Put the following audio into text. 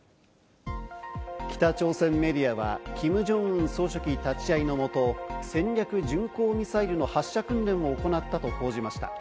北朝鮮メディアはキム・ジョンウン総書記立ち会いのもと、戦略巡航ミサイルの発射訓練を行ったと報じました。